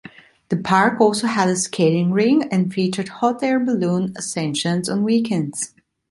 The park also had a skating rink, and featured hot-air balloon ascensions on weekends.